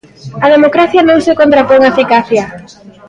A democracia non se contrapón á eficacia.